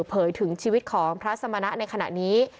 เผยถึงชีวิตของพระสมณะในขณะนี้